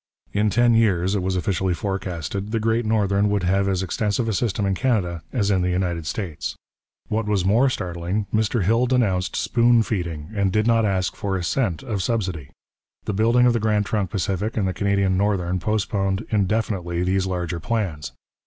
In ten years, it was officially forecasted, the Great Northern would have as extensive a system in Canada as in the United States. What was more startling, Mr Hill denounced 'spoon feeding,' and did not ask for a cent of subsidy. The building of the Grand Trunk Pacific and the Canadian Northern postponed indefinitely these larger plans.